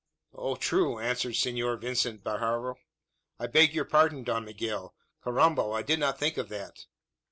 "Oh true!" answered Senor Vicente Barajo, "I beg your pardon, Don Miguel. Carrambo! I did not think of that."